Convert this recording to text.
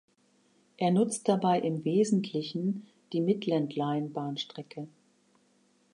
Er nutzt dabei im Wesentlichen die "Midland Line"-Bahnstrecke.